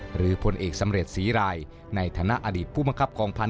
หรือพลเอกสำเร็จศรีรายในฐานะอดีตผู้มังคับกองพันธ